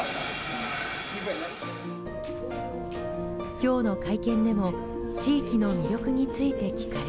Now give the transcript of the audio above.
今日の会見でも地域の魅力について聞かれ。